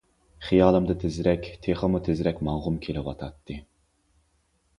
خىيالىمدا تېزرەك، تېخىمۇ تېزرەك ماڭغۇم كېلىۋاتاتتى.